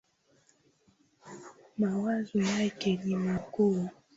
Mawazo yake ni makuu.